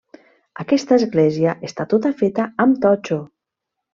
Aquesta església està tota feta amb totxo.